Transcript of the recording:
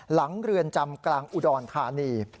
หลังเรือนจำกลางอุดอลทานี